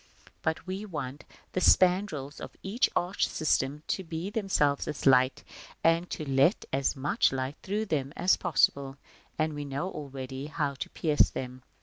But we want the spandrils of this arch system to be themselves as light, and to let as much light through them, as possible: and we know already how to pierce them (Chap.